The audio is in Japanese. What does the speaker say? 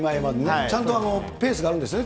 ちゃんとペースがあるんですね。